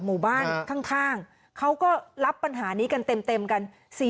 หมู่บ้านข้างเขาก็รับปัญหานี้กันเต็มกัน